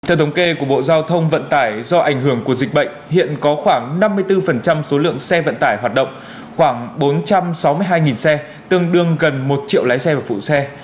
theo thống kê của bộ giao thông vận tải do ảnh hưởng của dịch bệnh hiện có khoảng năm mươi bốn số lượng xe vận tải hoạt động khoảng bốn trăm sáu mươi hai xe tương đương gần một triệu lái xe và phụ xe